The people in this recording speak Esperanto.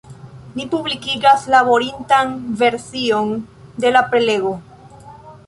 Ni publikigas prilaboritan version de la prelego.